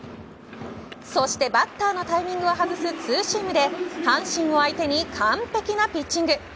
そしてバッターのタイミングを外すツーシームで阪神を相手に完璧なピッチング。